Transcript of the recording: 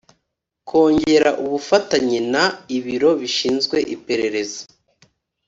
kongera ubufatanye na ibiro bishinzwe iperereza